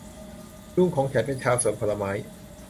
ลุงของฉันเป็นชาวสวนผลไม้